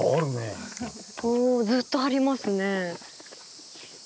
おずっとありますね。